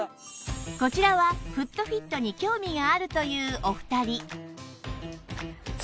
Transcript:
こちらはフットフィットに興味があるというお二人